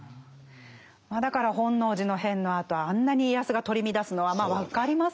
だから本能寺の変のあとあんなに家康が取り乱すのはまあ分かりますよね。